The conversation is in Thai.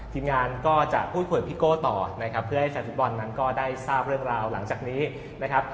ทีมงานก็จะพูดคุยกับพี่โก้ต่อนะครับเพื่อให้แฟนฟุตบอลนั้นก็ได้ทราบเรื่องราวหลังจากนี้นะครับ